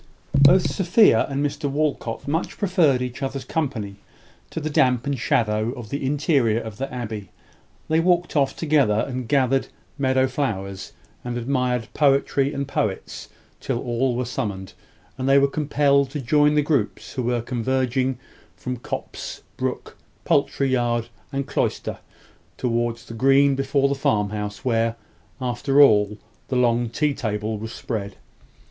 Both Sophia and Mr Walcot much preferred each other's company to the damp and shadow of the interior of the abbey. They walked off together, and gathered meadow flowers, and admired poetry and poets till all were summoned, and they were compelled to join the groups who were converging from copse, brook, poultry yard, and cloister, towards the green before the farmhouse, where, after all, the long tea table was spread.